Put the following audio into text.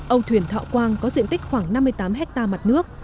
âu thuyền thọ quang có diện tích khoảng năm mươi tám hectare mặt nước